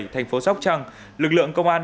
thành phố sóc trăng lực lượng công an